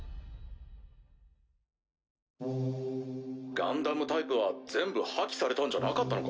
ガンダムタイプは全部破棄されたんじゃなかったのか？